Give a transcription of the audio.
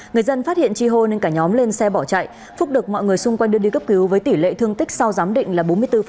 người dân phát hiện chi hô nên cả nhóm lên xe bỏ chạy phúc được mọi người xung quanh đưa đi cấp cứu với tỷ lệ thương tích sau giám định là bốn mươi bốn